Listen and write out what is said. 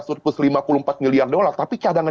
surplus lima puluh empat miliar dolar tapi cadangan